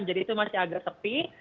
jadi itu masih agak tepi